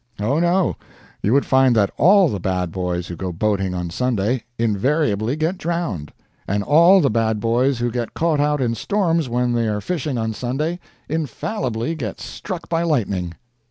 Oh, no; you would find that all the bad boys who go boating on Sunday invariably get drowned; and all the bad boys who get caught out in storms when they are fishing on Sunday infallibly get struck by lightning.